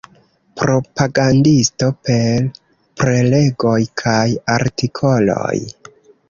Propagandisto per prelegoj kaj artikoloj.